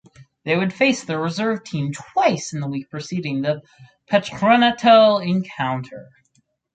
They would face their reserve team twice in the week preceding the Patronato encounter.